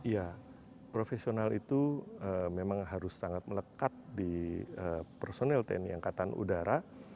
ya profesional itu memang harus sangat melekat di personel tni angkatan udara